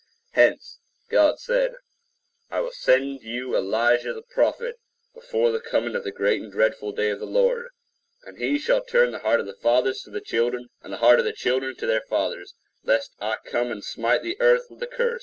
Hence, God said, "I will send you Elijah the prophet before the coming of the great and dreadful day of the Lord; and he shall turn the heart of the fathers to the children, and the heart of the children to their fathers, lest I come and smite the earth with a curse."